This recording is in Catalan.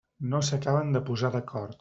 No s'acaben de posar d'acord.